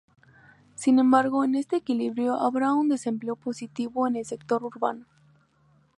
Sin embargo, en este equilibrio habrá un desempleo positivo en el sector urbano.